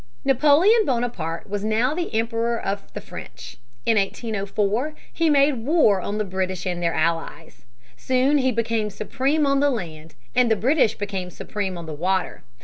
Napoleon Bonaparte was now Emperor of the French. In 1804 he made war on the British and their allies. Soon he became supreme on the land, and the British became supreme on the water.